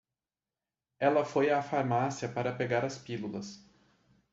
Ela foi à farmácia para pegar as pílulas.